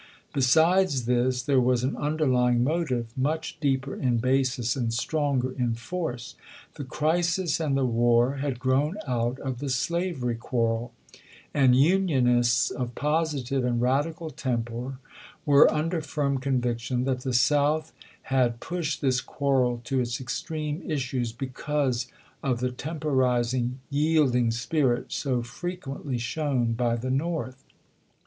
Besides this there was an underlying motive, much deeper in basis, and stronger in force. The crisis and the war had gi'own out of the slavery quarrel ; and Unionists of positive and radical temper were under fii'm conviction that the South had pushed this quarrel to its extreme issues, because of the temporizing, yielding spmt so frequently shown by the North.